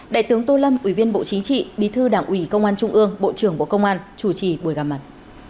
đại tướng tô lâm ủy viên bộ chính trị bí thư đảng ủy công an trung ương bộ trưởng bộ công an chủ trì buổi gặp mặt